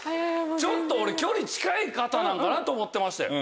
ちょっと距離近い方なのかなと思ってましたよ。